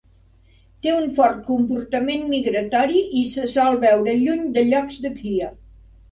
Té un fort comportament migratori i se sol veure lluny de llocs de cria.